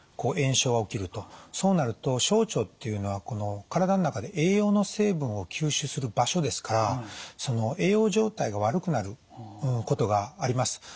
炎症が起きるとそうなると小腸っていうのはこの体の中で栄養の成分を吸収する場所ですからその栄養状態が悪くなることがあります。